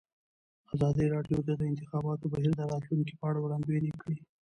ازادي راډیو د د انتخاباتو بهیر د راتلونکې په اړه وړاندوینې کړې.